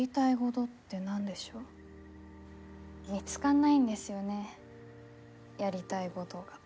見つかんないんですよねやりたいごどが。